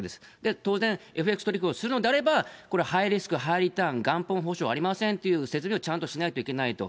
当然、ＦＸ取引をするのであれば、これ、ハイリスクハイリターン、元本保証ありませんという話を責任をちゃんとしないといけないと。